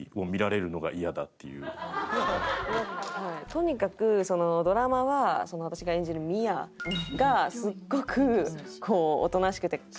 とにかくドラマは私が演じる深愛がすごくおとなしくて可愛らしい女の子で。